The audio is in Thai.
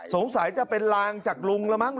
สงสัยจะเป็นลางจากลุงแล้วมั้ง